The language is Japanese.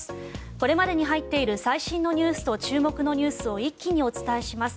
これまでに入っている最新ニュースと注目ニュースを一気にお伝えします。